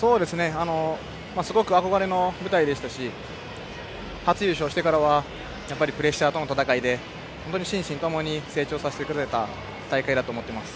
すごく憧れの舞台でしたし初優勝してからはやっぱりプレッシャーとの戦いで本当に心身ともに成長させていただいた大会だと思っています。